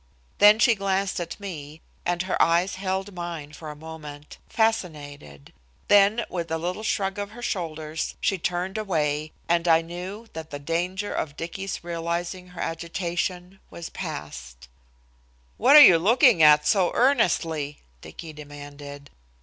Then she glanced at me and her eyes held mine for a moment, fascinated; then, with a little shrug of her shoulders, she turned away, and I knew that the danger of Dicky's realizing her agitation was passed. "What are you looking at so earnestly?" Dicky demanded.